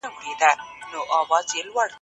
سوسیالیزم فردي هڅې ځپي.